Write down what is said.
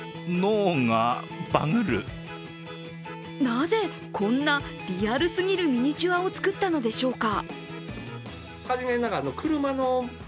なぜ、こんなリアルすぎるミニチュアを作ったのでしょうか。